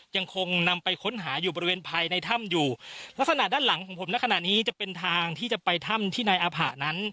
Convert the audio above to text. ยังคงนำไปค้นหาอยู่บริเวณภายในถ้ำอยู่ลักษณะด้านหลังของผมในขณะนี้จะเป็นทางที่จะไปถ้ำที่นายอาผะนั้น